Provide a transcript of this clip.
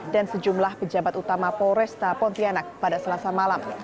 dan sejumlah pejabat utama polresta pontianak pada selasa malam